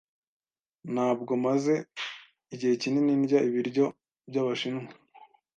Ntabwo maze igihe kinini ndya ibiryo byabashinwa.